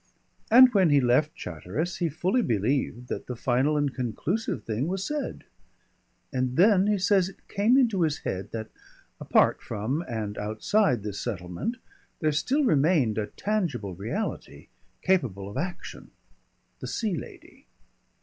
And when he left Chatteris, he fully believed that the final and conclusive thing was said. And then he says it came into his head that, apart from and outside this settlement, there still remained a tangible reality, capable of action, the Sea Lady.